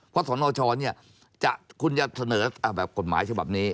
เพราะศนชคุณจะเสนอกฎหมายเฉพาะนี้